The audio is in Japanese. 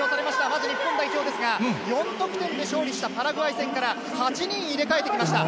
まず日本代表ですが、４得点で勝利したパラグアイ戦から、８人入れ替えてきました。